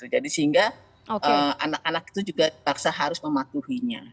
jadi sehingga anak anak itu juga terpaksa harus memakluminya